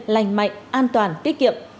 lành mạnh an toàn tiết kiệm